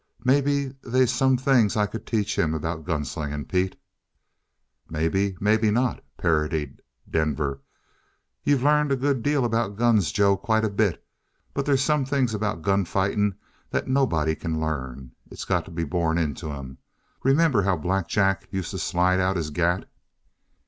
Maybe they's some things I could teach him about gun slinging, Pete." "Maybe; maybe not," parodied Denver. "You've learned a good deal about guns, Joe quite a bit. But there's some things about gun fighting that nobody can learn. It's got to be born into 'em. Remember how Black Jack used to slide out his gat?"